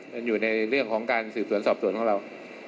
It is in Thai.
มันอยู่ในเรื่องของการสืบสวนสอบสวนของเรา